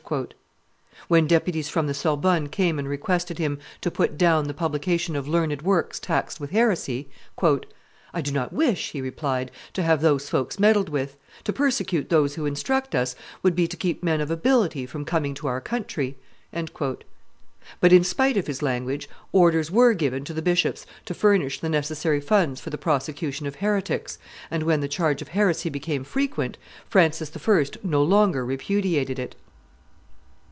When deputies from the Sorbonne came and requested him to put down the publication of learned works taxed with heresy, "I do not wish," he replied, "to have those folks meddled with; to persecute those who instruct us would be to keep men of ability from coming to our country." But in spite of his language, orders were given to the bishops to furnish the necessary funds for the prosecution of heretics, and, when the charge of heresy became frequent, Francis I. no longer repudiated it.